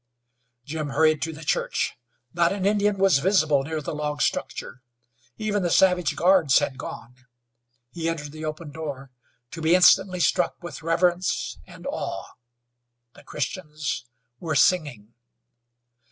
Jim hurried to the church. Not an Indian was visible near the log structure. Even the savage guards had gone. He entered the open door to be instantly struck with reverence and awe. The Christians were singing.